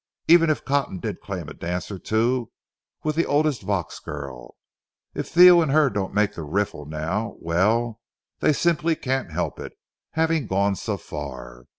Even if Cotton did claim a dance or two with the oldest Vaux girl, if Theo and her don't make the riffle now—well, they simply can't help it, having gone so far.